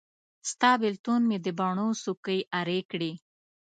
ستا بیلتون مې د بڼو څوکي ارې کړې